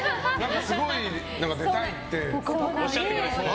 すごい出たいっておっしゃってくれてた。